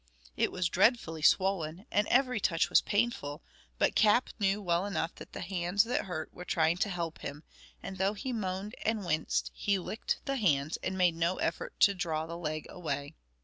It was dreadfully swollen, and every touch was painful; but Cap knew well enough that the hands that hurt were trying to help him, and though he moaned and winced, he licked the hands and made no effort to draw the leg away.